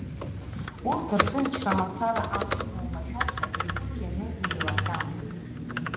Урҭ рҭынчра мацара акәым, омашәаҵәҟьагьы ицқьаны еилаҳәан.